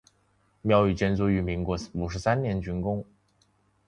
庙宇建筑于民国五十三年竣工。